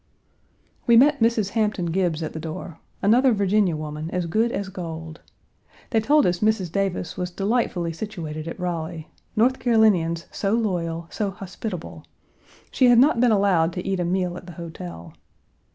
We met Mrs. Hampton Gibbes at the door another Virginia woman as good as gold. They told us Mrs. Davis was delightfully situated at Raleigh; North Carolinians so loyal, so hospitable; she had not been allowed to eat a meal at the hotel.